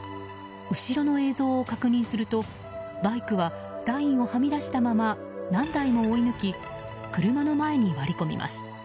後ろの映像を確認するとバイクはラインをはみ出したまま何台も追い抜き車の前に割り込みます。